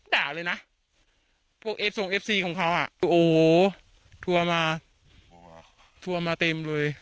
ด่าเลยนะพวกเอฟทรงเอฟซีของเขาอ่ะโอ้โหทัวร์มาทัวร์มาเต็มเลย